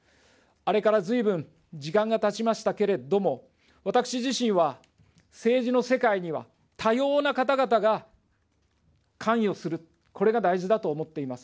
あれからずいぶん時間がたちましたけれども、私自身は政治の世界には多様な方々が関与する、これが大事だと思っています。